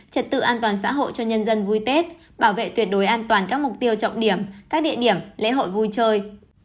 trật tự an toàn xã hội cho nhân dân vui tết bảo vệ tuyệt đối an toàn các mục tiêu trọng điểm các địa điểm lễ hội vui chơi